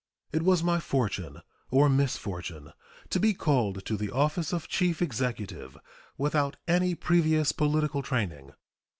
It was my fortune, or misfortune, to be called to the office of Chief Executive without any previous political training.